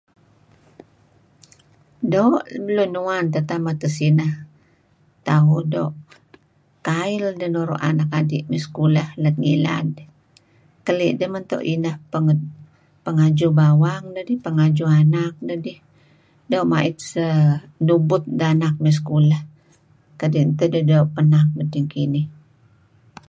Doo' lun uan tetameh, tesineh... tauh doo' kail deh nuru' anak adi mey sekuleh let ngilad. Keli' deh meto' ineh pengajuh bawang dedih, pengajuh anak dedih. Doo' ma'it se...nubut deh anak dedih lem sekulah. Kadi' meto' ideh doo' penak medting kinih.